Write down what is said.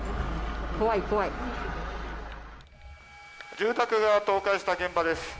住宅が倒壊した現場です。